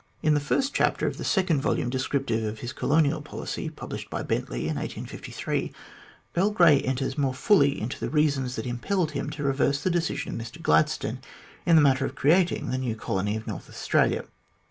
In the first chapter of the second volume descriptive of his colonial policy, published by Bentley in 1853, Earl Grey enters more fully into the reasons that impelled him to reverse the decision of Mr Gladstone in the matter of creat ing the new colony of North Australia.